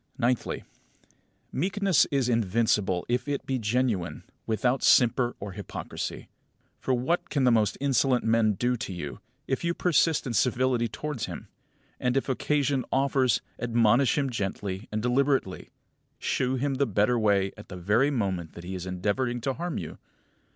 Ninthly: Meekness is invincible if it be genuine, without simper or hypocrisy. For what can the most insolent of men do to you, if you persist in civility towards him; and, if occasion offers, admonish him gently and deliberately, shew him the better way at the very moment that he is endeavouring to harm you?